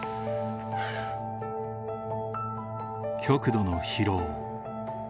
極度の疲労。